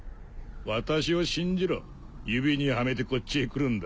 私を信じろ指にはめてこっちへ来るんだ。